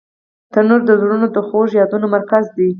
تنور د زړونو د خوږو یادونو مرکز دی